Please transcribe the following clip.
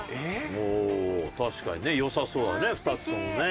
おお確かにねよさそうだね２つともね。